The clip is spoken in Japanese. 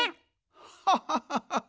ハハハハハ！